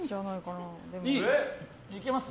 いけます？